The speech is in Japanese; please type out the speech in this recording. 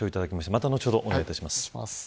また後ほどお願いします。